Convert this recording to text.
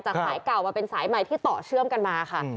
สายเก่ามาเป็นสายใหม่ที่ต่อเชื่อมกันมาค่ะ